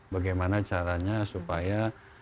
bagaimana caranya supaya